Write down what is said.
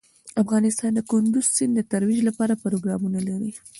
افغانستان د کندز سیند د ترویج لپاره پروګرامونه لري.